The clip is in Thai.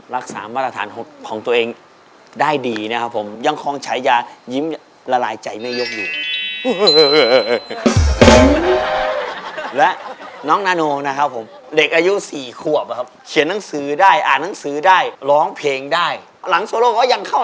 ร้องเพลงได้หลังโซโลก็ยังเข้าได้เนี่ย